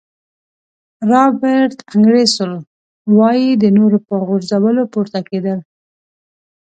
رابرټ انګیرسول وایي د نورو په غورځولو پورته کېدل.